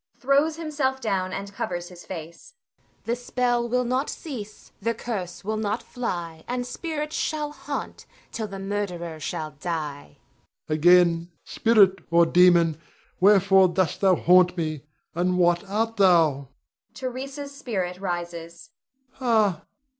[Throws himself down and covers his face. Voice. The spell will not cease, The curse will not fly, And spirits shall haunt Till the murderer shall die. Rod. Again, spirit or demon, wherefore dost thou haunt me, and what art thou? [Theresa's spirit rises.] Ha!